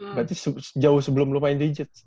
berarti jauh sebelum lu main di jets